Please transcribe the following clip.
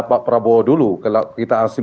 pak prabowo dulu kita